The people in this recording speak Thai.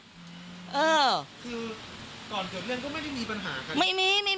เออคือก่อนเกิดเรื่องก็ไม่ได้มีปัญหากัน